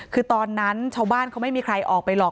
คือตอนนั้นชาวบ้านเขาไม่มีใครออกไปหรอก